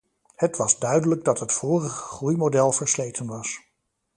Het was duidelijk dat het vorige groeimodel versleten was.